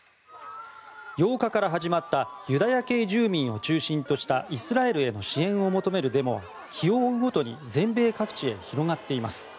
８日から始まったユダヤ系住民を中心としたイスラエルへの支援を求めるデモは日を追うごとに全米各地へ広がっています。